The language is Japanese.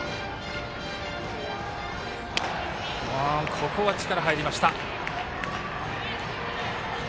ここは力が入りました。